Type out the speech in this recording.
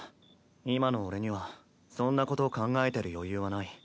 今の俺にはそんなこと考えてる余裕はない。